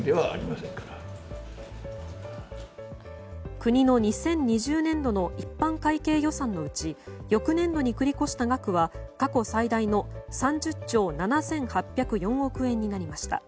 国の２０２０年度の一般会計予算のうち翌年度に繰り越した額は過去最大の３０兆７８０４億円になりました。